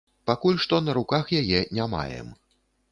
Пакуль што на руках яе не маем.